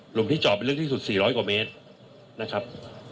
หลุมที่เจาะไปเรื่องที่สุด๔๐๐กว่าเมตรนะครับ